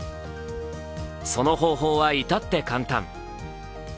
その方法は至って簡単。